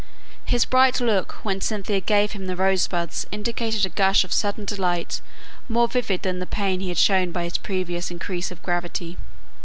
His bright look when Cynthia gave him the rose buds indicated a gush of sudden delight more vivid than the pain he had shown by his previous increase of gravity.